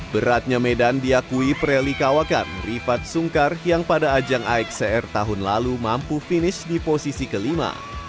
beratnya medan diakui preli kawakan rifat sungkar yang pada ajang axcr tahun lalu mampu finish di posisi kelima